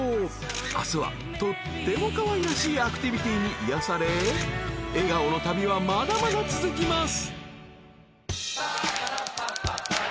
［明日はとってもかわいらしいアクティビティに癒やされ笑顔の旅はまだまだ続きます！］